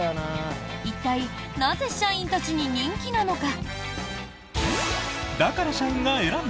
一体、なぜ社員たちに人気なのか？